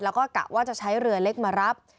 แล้วก็กะว่าจะใช้เรือเล็กมารับ